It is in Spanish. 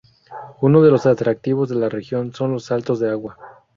Uno de los atractivos de la región son los saltos de agua.